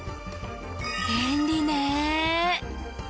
便利ね。